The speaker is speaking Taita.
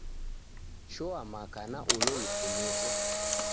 Shoa maka na ulo lufiniko.